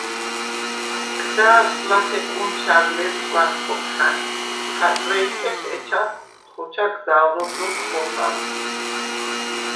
გზა̄̈ვრს ლახე კუნჩა̈რ ლერსგვან ფოყხა̈ნ ხა̈ჭვე̄ჭეხ, ეჩას ხოჩა გზა̄ვრობ როქვ ხოხალ.